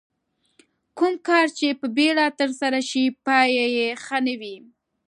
کوم کار چې په بیړه ترسره شي پای یې ښه نه وي.